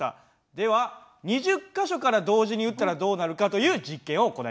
では２０か所から同時に撃ったらどうなるかという実験を行いました。